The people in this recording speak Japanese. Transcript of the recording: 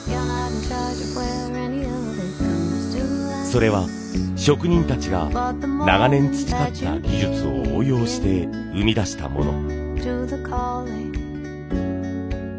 それは職人たちが長年培った技術を応用して生み出したもの。